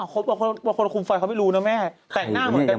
คนคุมไฟ่เค้าไม่รู้นะแม่ใกล้หน้าก็อยู่แบบบ่อย